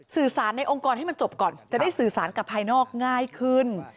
สื่อสารในองค์กรให้มันจบก่อนจะได้สื่อสารกับภายนอกง่ายขึ้น